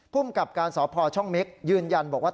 ภูมิกับการสพช่องเม็กยืนยันบอกว่า